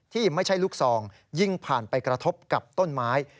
ที่ไม่ใช่ลูกซองยิ่งผ่านไปกระทบกับต้นไม้